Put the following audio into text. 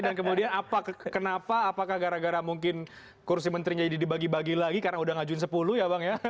dan kemudian kenapa apakah gara gara mungkin kursi menteri jadi dibagi bagi lagi karena sudah ngajuin sepuluh ya bang ya